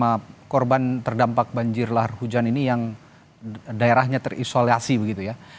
karena korban terdampak banjir lahar hujan ini yang daerahnya terisolasi begitu ya